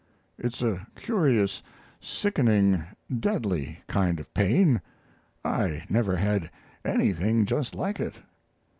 It's a curious, sickening, deadly kind of pain. I never had anything just like it."